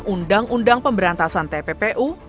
undang undang pemberantasan tppu